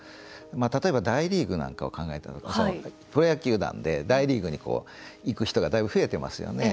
例えば大リーグなんかを考えたらプロ野球球団で大リーグに行く人がだいぶ、増えてますよね。